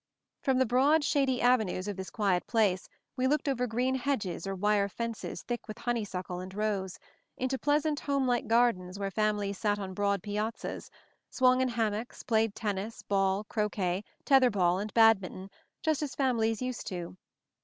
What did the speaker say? From the broad, shady avenues of this quiet place we looked over green hedges or wire fences thick with honeysuckle and rose, into pleasant homelike gardens where fam ilies sat on broad piazzas, swung in ham mocks, played tennis, ball, croquet, tether ball and badminton, just as families used to.